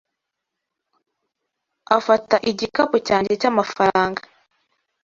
Afata igikapu cyanjye cy'amafaranga